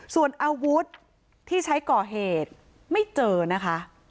ส่วนอาวุธที่ใช้ก่อเหตุไม่เจอนะคะ